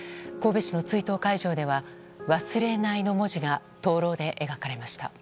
神戸市の追悼会場では「忘」の文字が灯籠で描かれました。